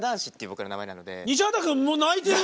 西畑くんもう泣いてる。